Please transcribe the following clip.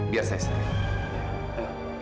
biar saya sendiri